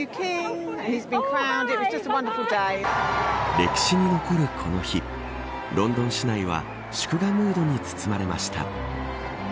歴史に残るこの日ロンドン市内は祝賀ムードに包まれました。